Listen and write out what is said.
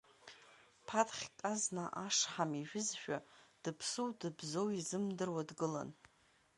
Ԥаҭхьк азна ашҳам ижәызшәа, дыԥсу дыбзоу изымдыруа дгылан.